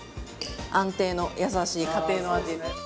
安定の優しい家庭の味。